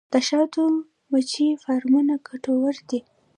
د شاتو مچیو فارمونه ګټور دي